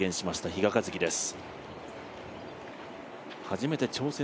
比嘉一貴です。